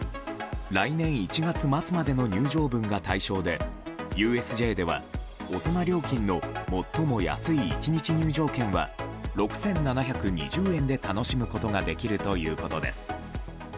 来年１月末までの入場分が対象でＵＳＪでは大人料金の最も安い１日入場券は６７２０円で楽しむことができるということです。